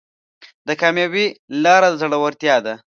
د کامیابۍ لاره د زړورتیا